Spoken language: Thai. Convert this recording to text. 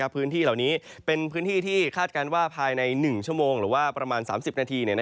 พื้นที่เหล่านี้เป็นพื้นที่ที่คาดการณ์ว่าภายใน๑ชั่วโมงหรือว่าประมาณ๓๐นาที